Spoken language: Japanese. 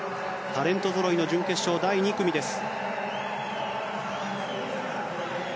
タレントぞろいの準決勝第２組です。